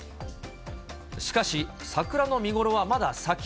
しかし、桜の見頃はまだ先。